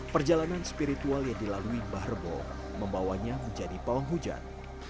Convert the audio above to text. perjalanan spiritual yang dilalui mbah rebo membawanya menjadi pawang hujan